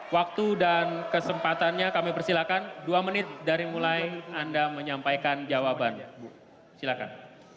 waktu dan kesempatannya kami persilahkan dua menit dari mulai anda menyampaikan jawaban silahkan